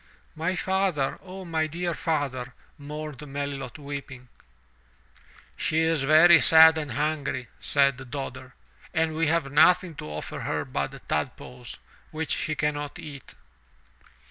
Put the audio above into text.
''My father, O my dear father!" mourned Melilot weeping, "She is very sad and hungry," said Dodder, "and we have nothing to offer her but tadpoles, which she cannot eat."